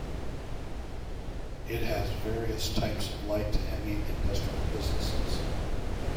It has various types of light to heavy industrial businesses.